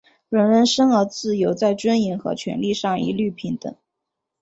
人人生而自由,在尊严和权利上一律平等。